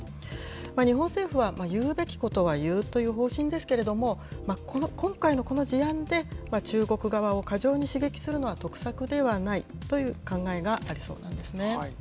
日本政府は、言うべきことは言うという方針ですけれども、今回のこの事案で、中国側を過剰に刺激するのは得策ではないという考えがありそうなんですね。